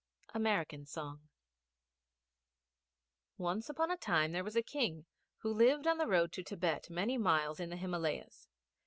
American Song. Once upon a time there was a King who lived on the road to Thibet, very many miles in the Himalayas.